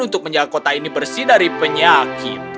untuk menjaga kota ini bersih dari penyakit